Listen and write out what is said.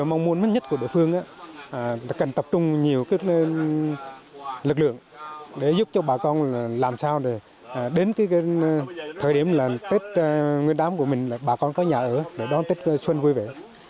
điều mong muốn nhất của đội phương là cần tập trung nhiều cái lực lượng để giúp cho bà con làm sao để đến cái thời điểm là tết người đám của mình là bà con có nhà ở để đón tết xuân vui vẻ